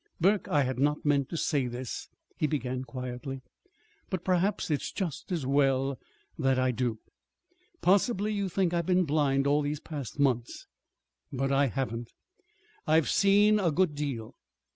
"Burke, I had not meant to say this," he began quietly; "but perhaps it's just as well that I do. Possibly you think I've been blind all these past months; but I haven't. I've seen a good deal.